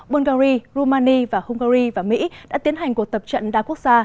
bulgaria romania hungary và mỹ đã tiến hành cuộc tập trận đa quốc gia